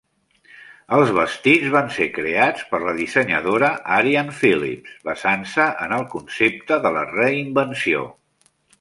Els vestits van ser creats per la dissenyadora Arianne Phillips basant-se en el concepte de la reinvenció.